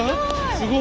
すごい！